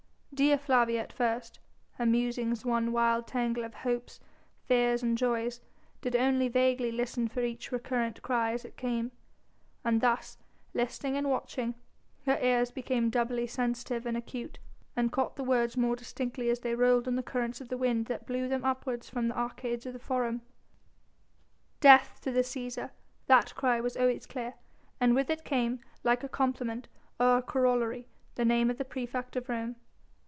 Dea Flavia at first her musings one wild tangle of hopes, fears and joys did only vaguely listen for each recurrent cry as it came; and thus, listening and watching, her ears became doubly sensitive and acute, and caught the words more distinctly as they rolled on the currents of the wind that blew them upwards from the arcades of the Forum. "Death to the Cæsar!" That cry was always clear, and with it came, like a complement or a corollary, the name of the praefect of Rome.